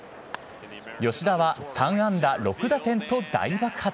吉田は３安打６打点と大爆発。